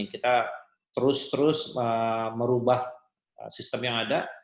kita terus terus merubah sistem yang ada